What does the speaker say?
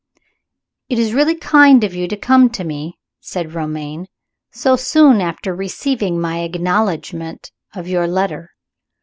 "It is really kind of you to come to me," said Romayne, "so soon after receiving my acknowledgment of your letter.